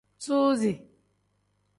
Suuzi.